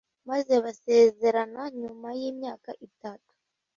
maze basezerana nyuma y’imyaka itatu